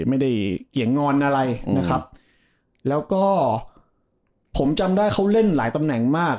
เงียงงอนอะไรนะครับแล้วก็ผมจำได้เขาเล่นหลายตำแหน่งมาก